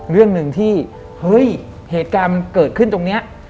เรื่องหนึ่งที่เฮ้ยเหตุการณ์มันเกิดขึ้นตรงนี้